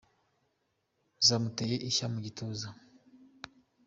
Zamuteye ishya mu gituza